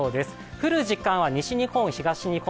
降る時間は西日本、東日本